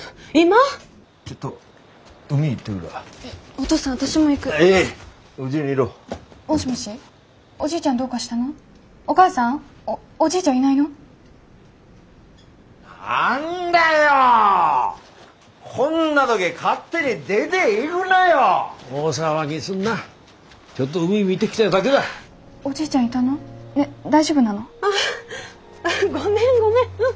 ああごめんごめん。